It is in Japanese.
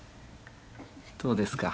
どうですか？